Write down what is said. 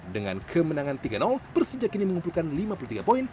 dengan kemenangan tiga persija kini mengumpulkan lima puluh tiga poin